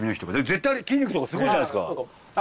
絶対あれ筋肉とかすごいじゃないですか。